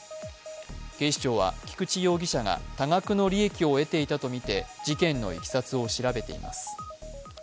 警視庁は菊池容疑者が多額の利益を得ていたとみて事件のいきさつを調べています。